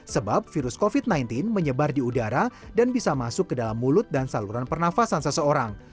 sebab virus covid sembilan belas menyebar di udara dan bisa masuk ke dalam mulut dan saluran pernafasan seseorang